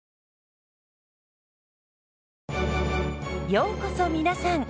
ようこそ皆さん。